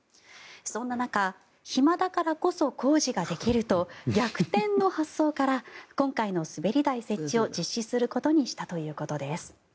そんな中暇だからこそ工事ができると逆転の発想から今回の滑り台設置を実施することにしたということです。